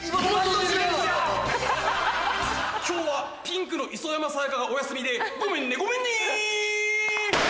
今日はピンクの磯山さやかがお休みでごめんねごめんね！